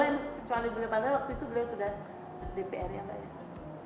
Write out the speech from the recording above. masih perhatian dengan adik yang